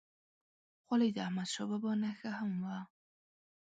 خولۍ د احمدشاه بابا نښه هم وه.